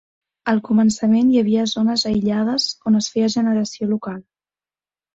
Al començament hi havia zones aïllades on es feia generació local.